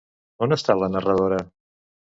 On està la narradora?